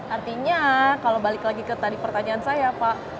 artinya kalau balik lagi ke tadi pertanyaan saya pak